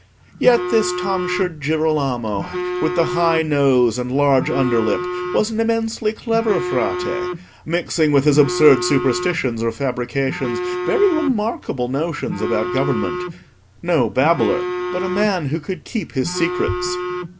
Yet this tonsured Girolamo with the high nose and large under lip was an immensely clever Frate, mixing with his absurd superstitions or fabrications very remarkable notions about government: no babbler, but a man who could keep his secrets.